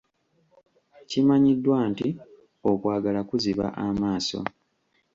Kimanyiddwa nti, okwagala kuziba amaaso.